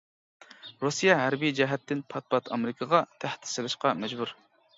رۇسىيە ھەربىي جەھەتتىن پات-پات ئامېرىكىغا تەھدىت سېلىشقا مەجبۇر.